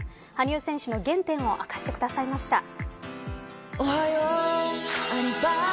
羽生選手の原点を明かしてくださいました。